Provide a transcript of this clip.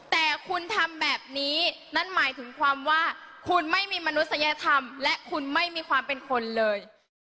แต่คุณทำแบบนี้นั่นหมายถึงความว่าคุณไม่มีมนุษยธรรมและคุณไม่มีความเป็นคนเลย